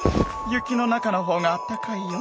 雪の中のほうがあったかいよ。